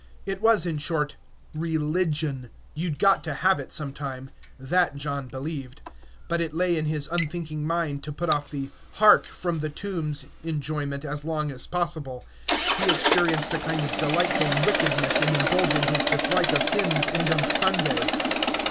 It was, in short, "religion." You'd got to have it some time; that John believed. But it lay in his unthinking mind to put off the "Hark! from the tombs" enjoyment as long as possible. He experienced a kind of delightful wickedness in indulging his dislike of hymns and of Sunday.